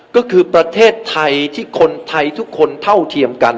ก็คือประเทศไทยที่คนไทยทุกคนเท่าเทียมกัน